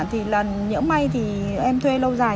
thì là nhỡ may thì em thuê lâu dài